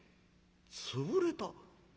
「潰れた？